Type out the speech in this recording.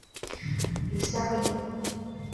与相邻。